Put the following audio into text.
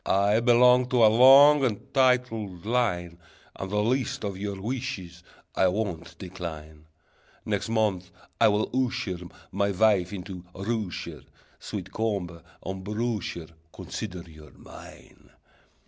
I belong to a long and a titled line, And the least of your wishes I won't decline; Next month I will usher My wife into Russia: Sweet comber and brusher, Consider you're mine!"